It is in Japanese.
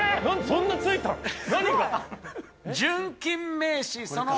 そんなについたの？